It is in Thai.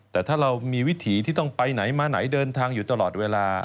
แต่ถ้าเรามีวิถีที่ต้องไปไหนมาไหนเดินทางอยู่ตลอดเวลา